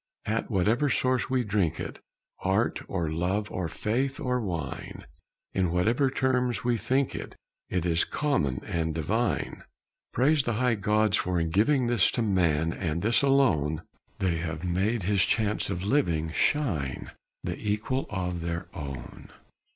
At whatever source we drink it, Art or love or faith or wine, In whatever terms we think it, It is common and divine. Praise the high gods, for in giving This to man, and this alone, They have made his chance of living Shine the equal of their own.